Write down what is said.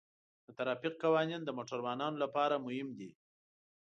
د ترافیک قوانین د موټروانو لپاره مهم دي.